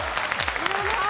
すごい。